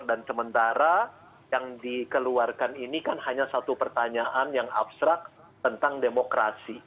dan sementara yang dikeluarkan ini kan hanya satu pertanyaan yang abstrak tentang demokrasi